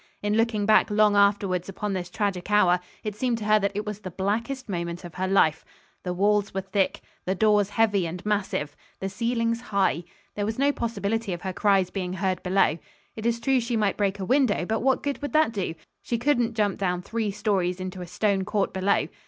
In looking back long afterwards upon this tragic hour, it seemed to her that it was the blackest moment of her life. The walls were thick. The doors heavy and massive. The ceilings high. There was no possibility of her cries being heard below. It is true she might break a window, but what good would that do? She couldn't jump down three stories into a stone court below.